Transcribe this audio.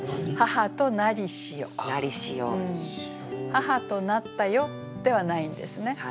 「母となったよ」ではないんですね。